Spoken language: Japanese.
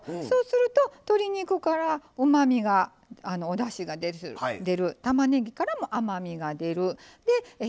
そうすると鶏肉からうまみがおだしが出るたまねぎからも甘みが出る。